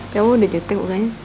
kamu udah jutek mukanya